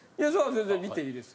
全然見ていいです。